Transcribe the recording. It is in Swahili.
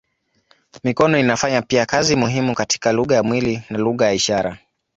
Mikono inafanya pia kazi muhimu katika lugha ya mwili na lugha ya ishara.